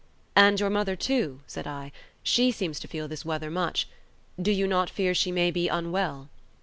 "And your mother, too," said I; "she seems to feel this weather much. Do you not fear she may be unwell?"